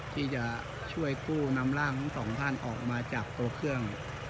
ที่จะช่วยกู้นำร่างทั้งสองท่านออกมาจากตัวเครื่อง